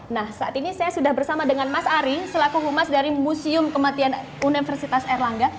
nah saat ini saya sudah bersama dengan mas ari selaku humas dari museum kematian universitas erlangga